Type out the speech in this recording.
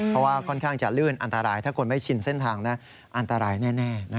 เพราะว่าค่อนข้างจะลื่นอันตรายถ้าคนไม่ชินเส้นทางอันตรายแน่